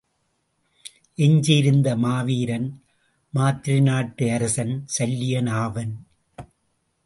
எஞ்சியிருந்த மாவீரன் மாத்திரி நாட்டு அரசன் சல்லியன் ஆவான்.